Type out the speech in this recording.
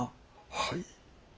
はい。